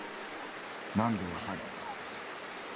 何で別れたか。